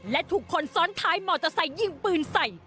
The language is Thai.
และถูกคนซ้อนท้ายมอเตอร์ไซค์ยิงปืนใส่